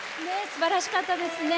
すばらしかったですね。